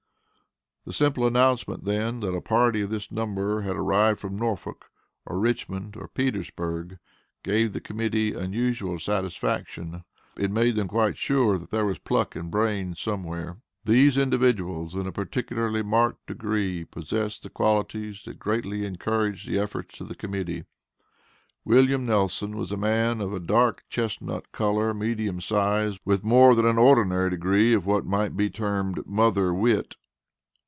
The simple announcement then, that a party of this number had arrived from Norfolk, or Richmond, or Petersburg, gave the Committee unusual satisfaction. It made them quite sure that there was pluck and brain somewhere. These individuals, in a particularly marked degree, possessed the qualities that greatly encouraged the efforts of the Committee. William Nelson, was a man of a dark chestnut color, medium size, with more than an ordinary degree of what might be termed "mother wit."